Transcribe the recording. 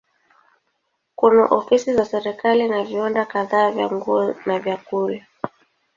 Kuna ofisi za serikali na viwanda kadhaa vya nguo na vyakula.